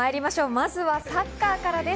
まずはサッカーからです。